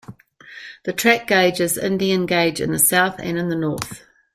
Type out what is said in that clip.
The track gauge is Indian gauge in the south and in the north.